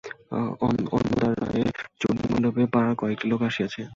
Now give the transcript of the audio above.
অন্নদা রায়ের চণ্ডীমণ্ডপে পাড়ার কয়েকটি লোক আসিয়াছেন- এই সময়েই পাশা খেলার মজলিশ বসে।